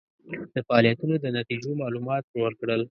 د فعالیتونو د نتیجو معلومات ورکړل.